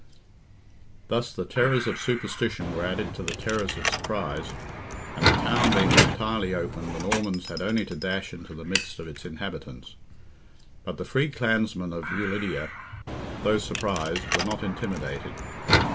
Thus the terrors of superstition were added to the terrors of surprise, and the town being entirely open, the Normans had only to dash into the midst of its inhabitants. But the free clansmen of Ulidia, though surprised, were not intimidated.